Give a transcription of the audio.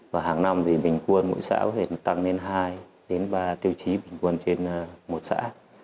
và hàng năm thì bình quân mỗi xã có thể tăng lên hai ba tiêu chí bình quân trên một xã